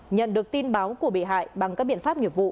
nhận được tin báo của bị hại bằng các biện pháp nghiệp vụ